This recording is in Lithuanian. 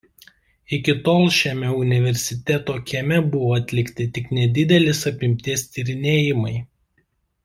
Iki tol šiame universiteto kieme buvo atlikti tik nedidelės apimties tyrinėjimai.